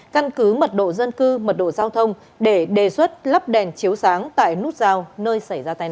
căn cứ mật độ dân cư mật độ giao thông để đề xuất lắp đèn chiếu sáng tại nút giao nơi xảy ra tai nạn